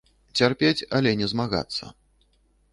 Цярпець, але не змагацца.